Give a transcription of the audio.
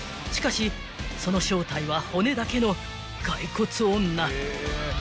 ［しかしその正体は骨だけの骸骨女］